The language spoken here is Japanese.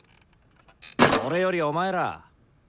それよりお前ら！